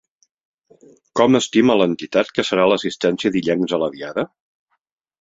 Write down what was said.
Com estima l'entitat que serà l'assistència d'illencs a la Diada?